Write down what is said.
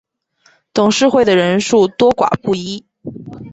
董事会的人数多寡不一。